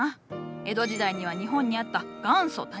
江戸時代には日本にあった元祖多肉植物じゃ。